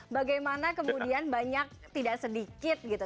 bagaimana kemudian banyak tidak sedikit gitu